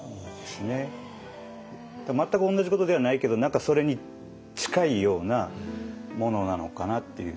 全く同じことではないけど何かそれに近いようなものなのかなっていう。